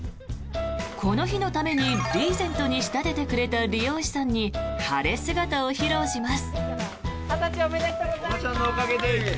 この日のためにリーゼントに仕立ててくれた理容師さんに晴れ姿を披露します。